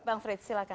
bang frits silahkan